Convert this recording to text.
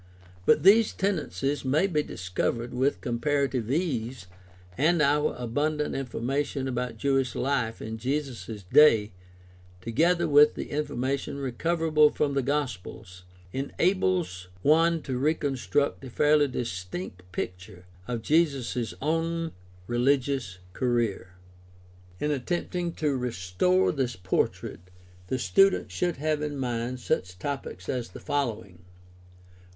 But these tendencies may be dis covered with comparative ease, and our abundant information about Jewish life in Jesus' day, together with the information recoverable from the Gospels, enables one to reconstruct a fairly distinct picture of Jesus' own religious career. In attempting to restore this portrait the student should have in mind such topics as the following: 1.